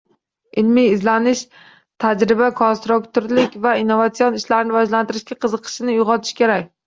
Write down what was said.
Ilmiy-izlanish, tajriba-konstruktorlik va innovatsion ishlarni rivojlantirishga qiziqishini uygʼotish kerak.